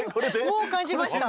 もう感じました？